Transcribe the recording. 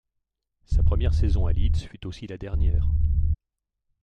Sa première saison à Leeds fut aussi la dernière.